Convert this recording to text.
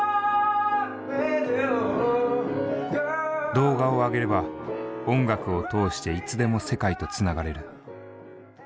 動画をあげれば音楽を通していつでも世界とつながれる。